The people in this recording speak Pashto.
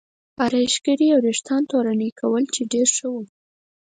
ارایشګرې یې وریښتان تورنۍ کول چې ډېر ښه و.